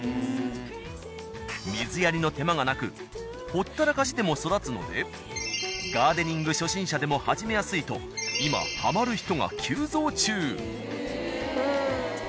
水やりの手間がなくほったらかしでも育つのでガーデニング初心者でも始めやすいと今ハマる人が急増中。